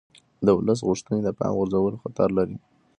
د ولس غوښتنې د پامه غورځول خطر لري